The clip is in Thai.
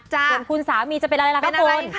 ส่วนคุณสามีจะเป็นอะไรล่ะคะคุณ